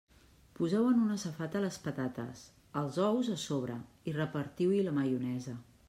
Poseu en una safata les patates, els ous a sobre, i repartiu-hi la maionesa.